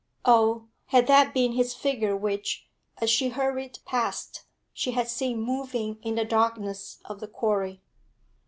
Oh, had that been his figure which, as she hurried past, she had seen moving in the darkness of the quarry?